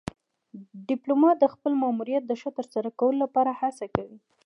ډيپلومات د خپل ماموریت د ښه ترسره کولو لپاره هڅه کوي.